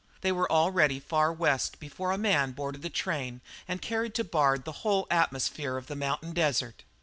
They were already far West before a man boarded the train and carried to Bard the whole atmosphere of the mountain desert.